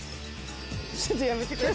ちょっとやめてください。